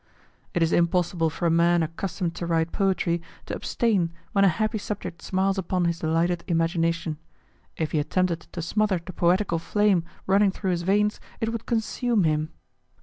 It is impossible for a man accustomed to write poetry to abstain when a happy subject smiles upon his delighted imagination. If he attempted to smother the poetical flame running through his veins it would consume him.